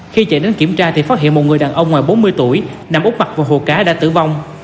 khi chạy đến kiểm tra thì phát hiện một người đàn ông ngoài bốn mươi tuổi nằm út mặt vào hồ cá đã tử vong